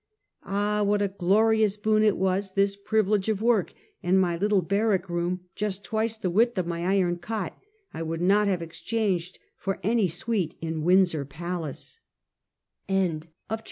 Ah ! what a glorious boon it was, this privilege of work, and my little barrack room, just twice the width of my iron cot, I would not have exchanged for any suite in Windsor palace.